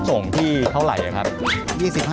ส่งที่เท่าไหร่ครับ